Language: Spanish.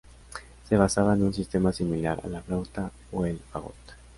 Se basaba en un sistema similar a la flauta o el fagot.